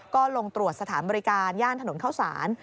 ก็ลงตรวจสถานบริการย่านถนนเข้าสาร